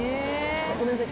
ごめんなさい